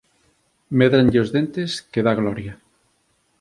Médranlle os dentes que dá gloria.